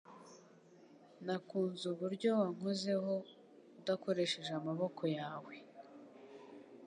Nakunze uburyo wankozeho udakoresheje amaboko yawe